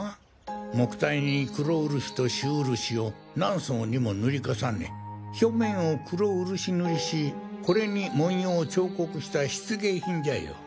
木胎に黒漆と朱漆を何層にも塗り重ね表面を黒漆塗りしこれに文様を彫刻した漆芸品じゃよ。